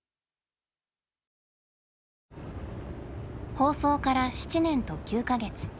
放送から７年と９か月。